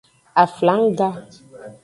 Aflangga.